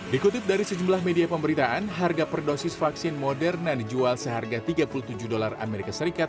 dikutip dari sejumlah media pemberitaan harga per dosis vaksin moderna dijual seharga tiga puluh tujuh dolar as